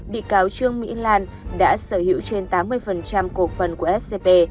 bị cáo trương mỹ lan đã sở hữu trên tám mươi cổ phần của scp